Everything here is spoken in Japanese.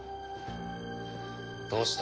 どうした？